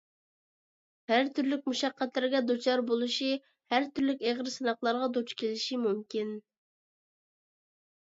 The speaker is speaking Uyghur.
ھەر تۈرلۈك مۇشەققەتلەرگە دۇچار بولۇشى، ھەر تۈرلۈك ئېغىر سىناقلارغا دۇچ كېلىشى مۇمكىن.